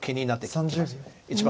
３０秒。